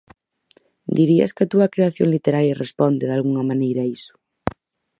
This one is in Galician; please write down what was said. Dirías que a túa creación literaria responde, dalgunha maneira, a iso?